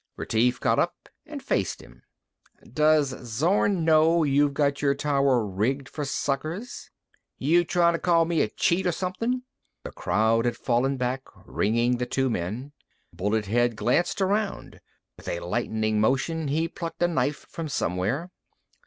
Retief got up and faced him. "Does Zorn know you've got your tower rigged for suckers?" "You tryin' to call me a cheat or something?" The crowd had fallen back, ringing the two men. Bullet head glanced around. With a lightning motion, he plucked a knife from somewhere.